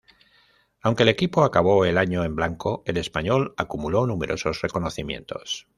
Aunque el equipo acabó el año en blanco, el español acumuló numerosos reconocimientos.